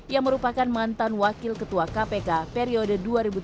yang merupakan mantan wakil ketua kpk periode dua ribu tiga dua ribu tujuh